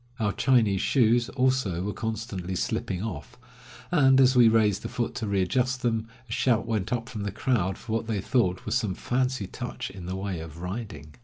Our Chinese shoes, also, were constantly slipping off, and as we raised the foot to readjust them, a shout went up from the crowd for what they thought was some fancy touch in the way of riding.